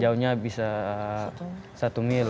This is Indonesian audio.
jauhnya bisa satu mil